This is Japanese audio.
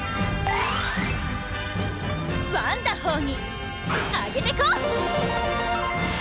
ワンダホーにアゲてこ！